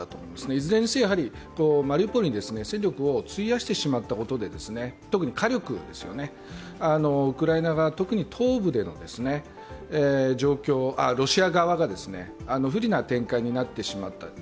いずれにせよ、マリウポリに戦力を費やしてしまったことで特に火力、ウクライナ側、特に東部でロシア側が不利な展開になってしまった。